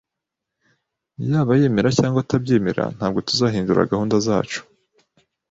Yaba yemera cyangwa atabyemera, ntabwo tuzahindura gahunda zacu